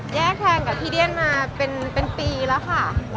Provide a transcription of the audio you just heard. แยกทางกับพี่เดียนมาเป็นปีแล้วค่ะ